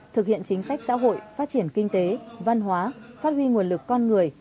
thực hiện chính sách xã hội phát triển kinh tế văn hóa phát huy nguồn lực con người